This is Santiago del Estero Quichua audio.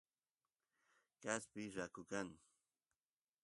kaspi raku kan